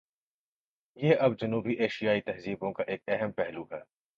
یہ اب جنوبی ایشیائی تہذیبوں کا ایک اہم پہلو ہے۔